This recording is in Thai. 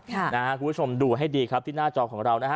คุณผู้ชมดูให้ดีครับที่หน้าจอของเรานะฮะ